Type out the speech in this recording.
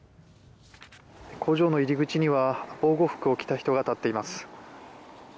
「工場の入口には防護服を着ている人が立っています」